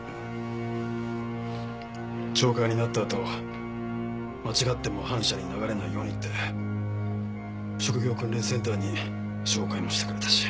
懲戒になったあと間違っても反社に流れないようにって職業訓練センターに紹介もしてくれたし。